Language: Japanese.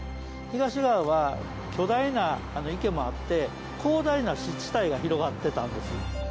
東側は、巨大な池もあって広大な湿地帯が広がってたんです。